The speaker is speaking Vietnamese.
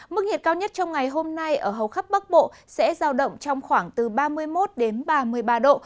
mức nhiệt cao nhất trong ngày hôm nay ở hầu khắp bắc bộ sẽ giao động trong khoảng từ ba mươi một đến ba mươi ba độ